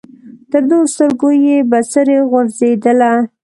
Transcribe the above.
تر دوو سترګو یې بڅري غورځېدله